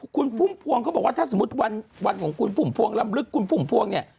คุณพุ่มพวงเขาบอกว่าถ้าสมมุติวันของคุณพุ่มพวงลำลึกคุณพุ่มพวงเนี่ย